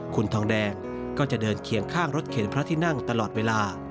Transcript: คุณทองแดงก็จะเดินเคียงข้างรถเข็นพระที่นั่งตลอดเวลา